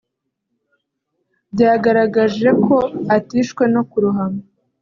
byagaragaje ko atishwe no kurohama